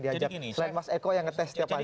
di ajak selain mas eko yang ngetes setiap pagi